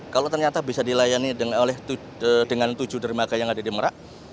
kalau ternyata bisa dilayani dengan tujuh dermaga yang ada di merak